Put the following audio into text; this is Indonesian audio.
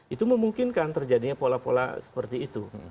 itu memungkinkan terjadinya pola pola seperti itu